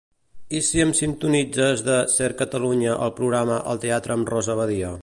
I si em sintonitzes de "Ser Catalunya" el programa "Al teatre amb Rosa Badia"?